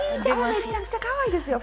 むちゃくちゃかわいいですよ